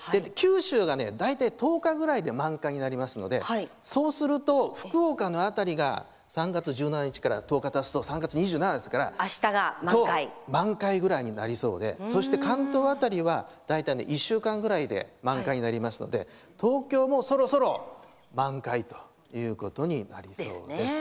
九州が大体１０日くらいで満開になりますのでそうすると、福岡の辺りが３月１７日から１０日たつと３月２７日ですからあしたが満開ぐらいになりそうで関東辺りは大体１週間ぐらいで満開になりますので東京もそろそろ満開ということになりそうです。